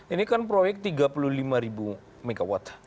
ini kan proyek tiga puluh lima mw